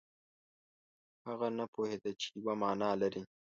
هغه نه پوهېده چې یوه معنا لري.